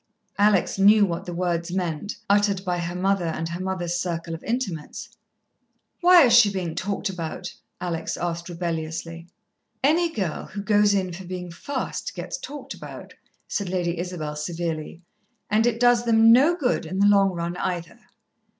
Alex knew what the words meant, uttered by her mother and her mother's circle of intimates. "Why is she being talked about?" Alex asked rebelliously. "Any girl who goes in for being fast gets talked about," said Lady Isabel severely. "And it does them no good in the long run either.